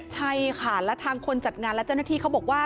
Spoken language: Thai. ใช่ค่ะแล้วทางคนจัดงานและเจ้าหน้าที่เขาบอกว่า